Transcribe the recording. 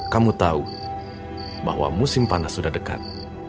kamu tahu bahwa musim panas sudah dekat